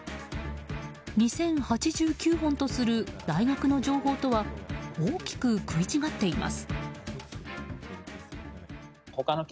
２０８９本とする大学の情報とは大きく食い違っています。